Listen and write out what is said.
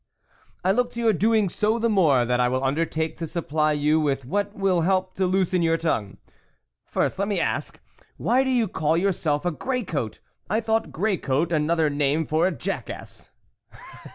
" I look to your doing so the more, that I will undertake to supply you with what will help to loosen your tongue. First, let me ask, why do you call yourself a grey coat ? I thought grey coat another name for a jack ass."